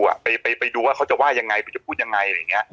ว่าเขาจะว่ายังไงก็จะพูดยังไง